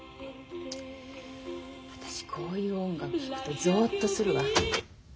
私こういう音楽聴くとゾッとするわ。